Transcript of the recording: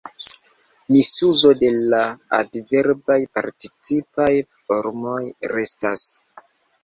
Misuzo de la adverbaj participaj formoj restas.